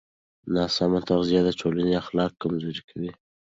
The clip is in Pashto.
ناسمه تغذیه د ټولنې اخلاق کمزوري کوي.